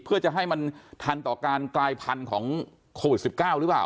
เพื่อจะให้มันทันต่อการกลายพันธุ์ของโควิด๑๙หรือเปล่า